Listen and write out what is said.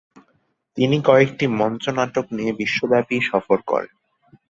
তিনি কয়েকটি মঞ্চনাটক নিয়ে বিশ্বব্যাপী সফর করেন।